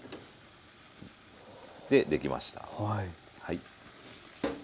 できました。